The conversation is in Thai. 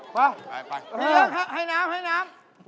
ขอให้น้ำ